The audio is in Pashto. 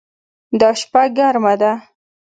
دا شپه ګرمه ده